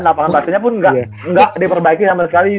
lapangan batunya pun gak diperbaiki sama sekali